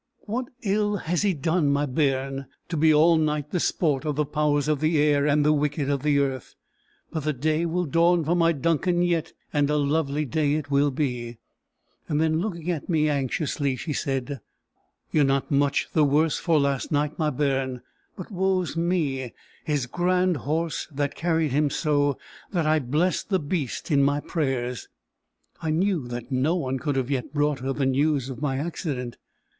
"What ill has he done my bairn to be all night the sport of the powers of the air and the wicked of the earth? But the day will dawn for my Duncan yet, and a lovely day it will be!" Then looking at me anxiously, she said, "You're not much the worse for last night, my bairn. But woe's me! His grand horse, that carried him so, that I blessed the beast in my prayers!" I knew that no one could have yet brought her the news of my accident.